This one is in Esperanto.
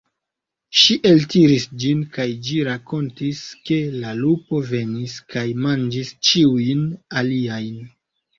Ŝi eltiris ĝin kaj ĝi rakontis, ke la lupo venis kaj manĝis ĉiujn aliajn.